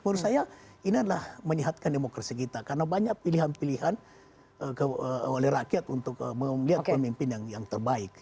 menurut saya ini adalah menyehatkan demokrasi kita karena banyak pilihan pilihan oleh rakyat untuk melihat pemimpin yang terbaik